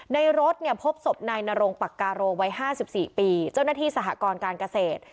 ในรถเนี่ยพบศพนายนรงปักกาโรวัยห้าสิบสี่ปีเจ้าหน้าที่สหกรการเกาะเศษ